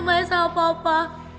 tante maesa apa apa